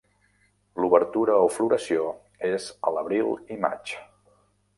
L'obertura o floració és a l'abril i maig.